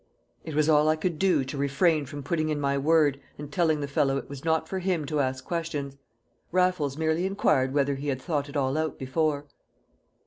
It was all I could do to refrain from putting in my word, and telling the fellow it was not for him to ask questions. Raffles merely inquired whether he had thought it all out before.